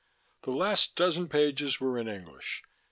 The last dozen pages were in English.